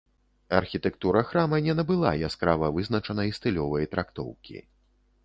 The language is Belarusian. Архітэктура храма не набыла яскрава вызначанай стылёвай трактоўкі.